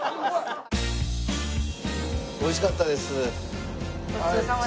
おいしかったです。